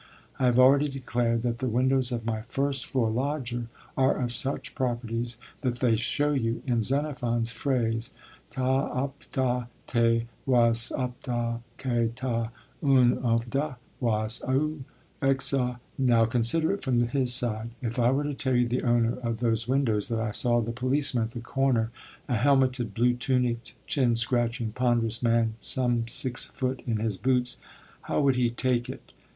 I have already declared that the windows of my first floor lodger are of such properties that they show you, in Xenophon's phrase, τὰ ὄντα τε ὡϛ ὄντα, και τὰ μὴ ὄντα ὡϛ οὐκ ὄνγα. Now consider it from his side. If I were to tell the owner of those windows that I saw the policeman at the corner, a helmeted, blue tunicked, chin scratching, ponderous man, some six foot in his boots, how would he take it?